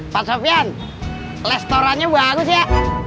pak sofian restorannya bagus ya